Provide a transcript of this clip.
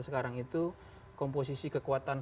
sekarang itu komposisi kekuatan